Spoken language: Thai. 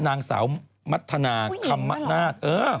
นางสาวมัธนาคำนาศ